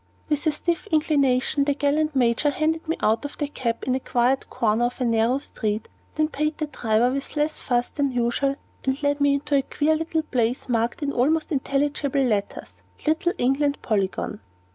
With a stiff inclination, the gallant Major handed me out of the cab in a quiet corner of a narrow street, then paid the driver with less fuss than usual, and led me into a queer little place marked in almost illegible letters, "Little England Polygon."